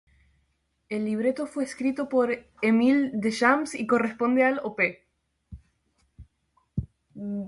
El libreto fue escrito por Émile Deschamps y corresponde al Op.